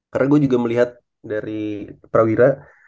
karena gue juga melihat dari prawira